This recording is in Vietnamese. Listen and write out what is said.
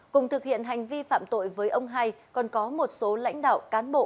cùng thực hiện hành vi phạm tội với ông hai còn có một số lãnh đạo cán bộ